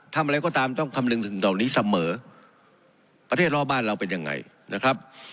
ทำอะไรก็ตามต้องคำนึงถึงเหล่านี้เสมอประเทศรอบบ้านเราเป็นยังไงนะครับ